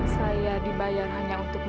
saya dibayar hanya untuk memfitnah